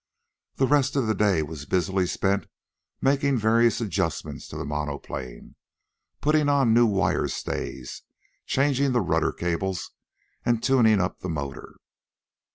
The rest of the day was busily spent making various adjustments to the monoplane, putting on new wire stays, changing the rudder cables, and tuning up the motor.